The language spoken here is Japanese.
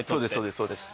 そうです